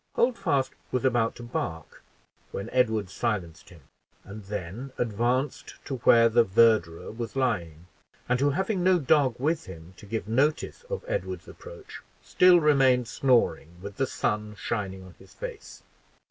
Holdfast was about to bark, when Edward silenced him, and then advanced to where the verderer was lying; and who, having no dog with him to give notice of Edward's approach, still remained snoring with the sun shining on his face.